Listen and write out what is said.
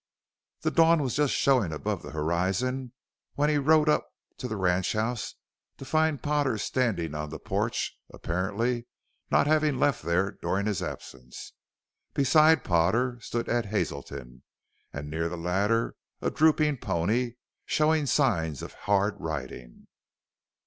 The dawn was just showing above the horizon when he rode up to the ranchhouse to find Potter standing on the porch apparently not having left there during his absence. Beside Potter stood Ed Hazelton, and near the latter a drooping pony, showing signs of hard riding.